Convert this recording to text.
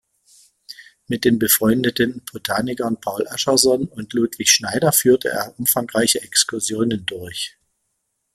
Mit den befreundeten Botanikern Paul Ascherson und Ludwig Schneider führte er umfangreiche Exkursionen durch.